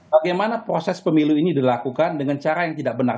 bagaimana proses pemilu ini dilakukan dengan cara yang tidak benar